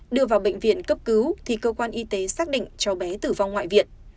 đưa vào bệnh viện cấp cứu thì cơ quan y tế xác định cháu bé tử vong ngoại viện